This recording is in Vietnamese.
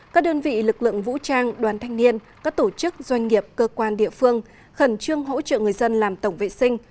các đơn vị lực lượng vũ trang đoàn thanh niên các tổ chức doanh nghiệp cơ quan địa phương khẩn trương hỗ trợ người dân làm tổng vệ sinh